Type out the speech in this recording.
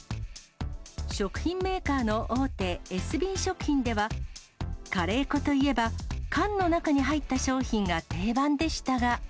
食品メーカーの大手、エスビー食品では、カレー粉といえば、缶の中に入った商品が定番でしたが。